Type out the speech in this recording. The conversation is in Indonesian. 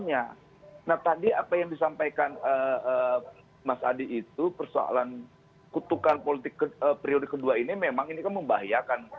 nah tadi apa yang disampaikan mas adi itu persoalan kutukan politik periode kedua ini memang ini kan membahayakan